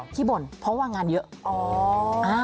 บ่นเพราะว่างานเยอะ